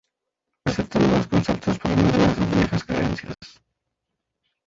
Acepta nuevos conceptos, pero no olvida sus viejas creencias.